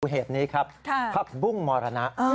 เหตุนี้ครับพับบุ้งมรณะ